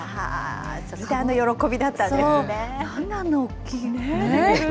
それであの喜びだったんですね。